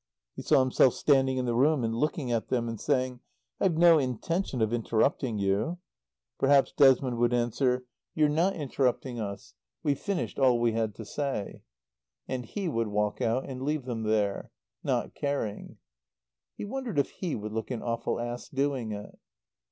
He saw himself standing in the room and looking at them, and saying, "I've no intention of interrupting you." Perhaps Desmond would answer, "You're not interrupting us. We've finished all we had to say." And he would walk out and leave them there. Not caring. He wondered if he would look an awful ass doing it.